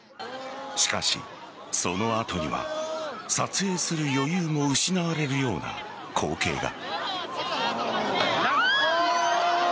しかし、その後には撮影する余裕も失われるような光景が。